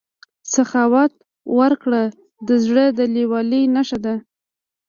سخاوت او ورکړه د زړه د لویوالي نښه ده.